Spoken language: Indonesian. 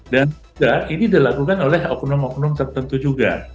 dan ini dilakukan oleh oknum oknum tertentu juga